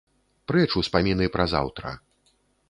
Прэч успаміны пра заўтра.